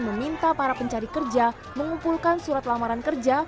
meminta para pencari kerja mengumpulkan surat lamaran kerja